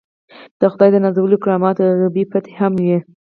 د خدای د نازولو کرامات او غیبي فتحې هم وي.